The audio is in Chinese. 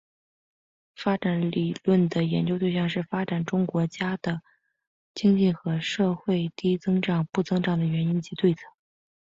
发展理论的研究对象是发展中国家的经济和社会低增长不增长的原因及对策。